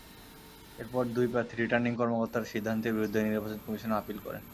এরপর দুই প্রার্থী রিটার্নিং কর্মকর্তার সিদ্ধান্তের বিরুদ্ধে নির্বাচন কমিশনে আপিল করেন।